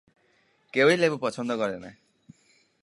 কেউই লেবু পছন্দ করে না।